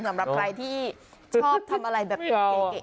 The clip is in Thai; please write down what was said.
สำหรับใครที่ชอบทำอะไรแบบเก๋